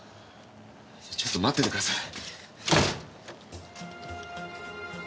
じゃちょっと待っててください。